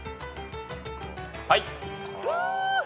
はい。